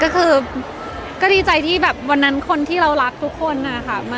ก็ดีใจวันนั้นคนที่เรารักทุกคนมาอยู่ร่วมกัน